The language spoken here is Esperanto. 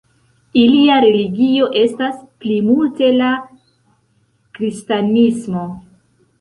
Ilia religio estas plimulte la kristanismo.